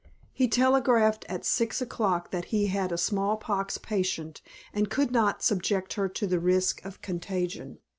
He telegraphed at six o'clock that he had a small pox patient and could not subject her to the risk of contagion.